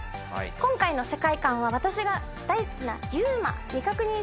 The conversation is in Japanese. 今回の世界観は私が大好きなＵＭＡ未確認